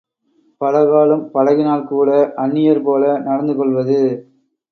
பலகாலும் பழகினால்கூட அந்நியர் போல நடந்து கொள்வது!